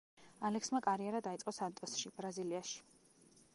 ალექსმა კარიერა დაიწყო „სანტოსში“, ბრაზილიაში.